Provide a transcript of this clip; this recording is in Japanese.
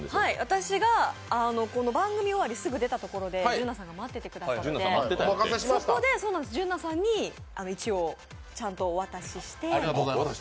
私がこの番組終わり、すぐ出たところで純菜さんがいたのでそこで純菜さんに、一応、ちゃんとお渡しして。